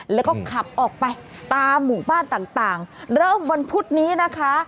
แล้วก็ขับออกไปตามหมู่บ้านต่างต่างเริ่มวันพุธนี้นะคะ